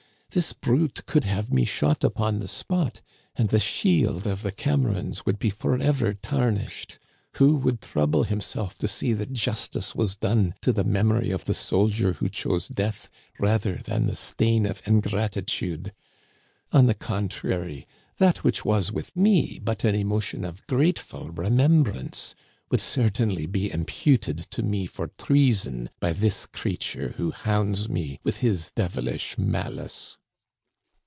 This brute could have me shot upon the spot, and the shield of the Camerons would be forever tarnished. Who would trouble himself to see that jus tice was done to the memory of the soldier who chose death rather than the stain of ingratitude ? On the con trary, that which was with me but an emotion of grate ful remembrance, would certainly be imputed to me for treason by this creature who hounds me with his devilish malice."